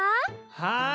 はい。